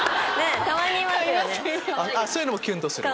そういうのもキュンとする？